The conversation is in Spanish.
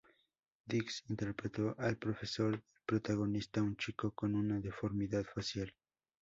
Diggs interpretó al profesor del protagonista, un chico con una deformidad facial.